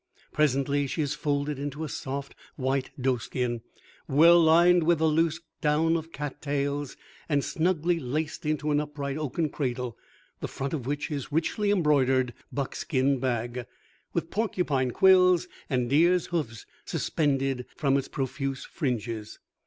Presently she is folded into a soft white doeskin, well lined with the loose down of cattails, and snugly laced into an upright oaken cradle, the front of which is a richly embroidered buckskin bag, with porcupine quills and deer's hoofs suspended from its profuse fringes.